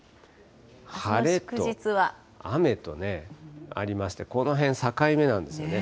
晴れと雨とね、ありまして、この辺、境目なんですよね。